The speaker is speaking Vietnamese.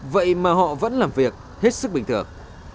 vậy mà họ vẫn làm việc hết sức bình thường